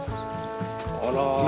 あら。